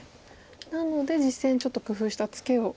なので実戦ちょっと工夫したツケを。